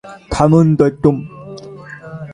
থামুন তো একটু!